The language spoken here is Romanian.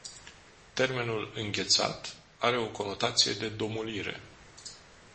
Termenul "înghețat” are o conotație de domolire.